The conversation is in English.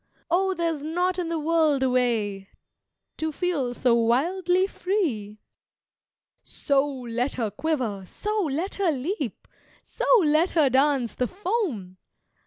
O there's not in the world a way To feel so wildly free! So, let her quiver! So, let her leap! So, let her dance the foam!